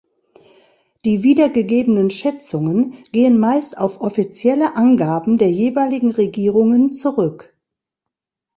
Die wiedergegebenen Schätzungen gehen meist auf offizielle Angaben der jeweiligen Regierungen zurück.